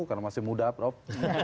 karena masih muda prof